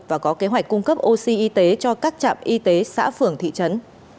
và có kế hoạch cung cấp oxy y tế cho các trạm y tế xã phường thị trấn